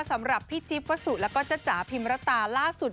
สำหรับพี่จิ๊บวัสสุแล้วก็จ๊ะพิมรตาล่าสุด